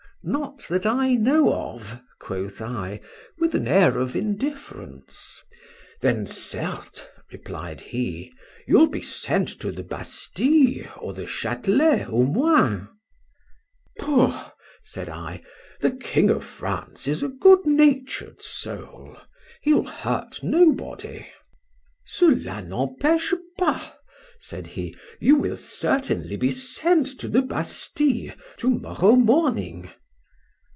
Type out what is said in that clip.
—Not that I know of, quoth I, with an air of indifference.—Then certes, replied he, you'll be sent to the Bastile or the Chatelet au moins.—Poo! said I, the King of France is a good natur'd soul:—he'll hurt nobody.—Cela n'empêche pas, said he—you will certainly be sent to the Bastile to morrow morning.